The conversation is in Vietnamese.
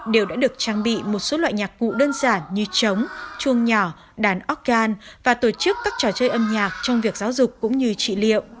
đều đã được trang bị một số loại nhạc cụ đơn giản như trống chuông nhỏ đàn óc đồ chơi